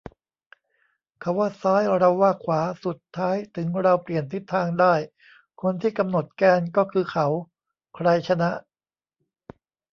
เขาว่าซ้าย เราว่าขวา สุดท้ายถึงเราเปลี่ยนทิศทางได้ คนที่กำหนดแกนก็คือเขา ใครชนะ ?